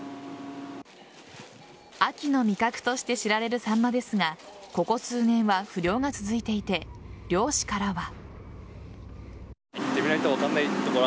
秋の味覚として知られるサンマですがここ数年は不漁が続いていて漁師からは。